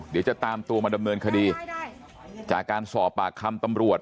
เดี๋ยวจะตามตัวมาดำเนินคดีจากการสอบปากคำตำรวจ